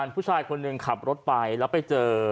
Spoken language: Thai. ผู้ชายคนหนึ่งขับรถไปแล้วไปเจอ